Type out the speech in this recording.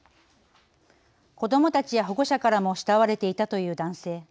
子どもたちや保護者からも慕われていたという男性。